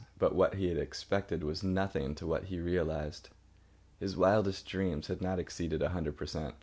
But what he had expected was nothing to what he realised. His wildest dreams had not exceeded a hundred per cent.